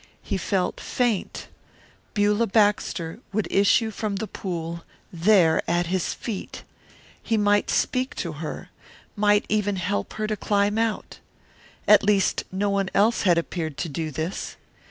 He felt faint. Beulah Baxter would issue from the pool there at his feet. He might speak to her, might even help her to climb out. At least no one else had appeared to do this.